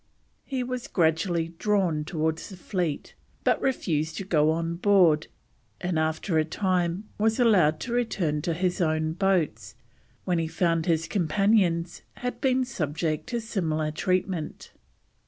He was gradually drawn towards the fleet, but refused to go on board, and after a time was allowed to return to his own boats, when he found his companions had been subject to similar treatment.